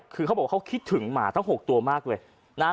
คือเขาบอกว่าเขาคิดถึงหมาทั้ง๖ตัวมากเลยนะฮะ